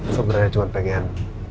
sebenernya cuma pengen